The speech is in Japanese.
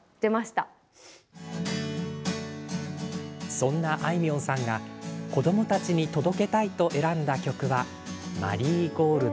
そんな、あいみょんさんが子どもたちに届けたいと選んだ曲は「マリーゴールド」。